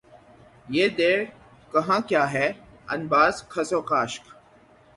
یہ دیر کہن کیا ہے انبار خس و خاشاک